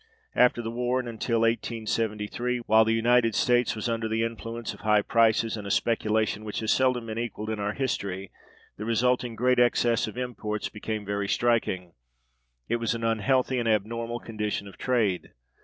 After the war, and until 1873, while the United States was under the influence of high prices and a speculation which has been seldom equaled in our history, the resulting great excess of imports became very striking. It was an unhealthy and abnormal condition of trade.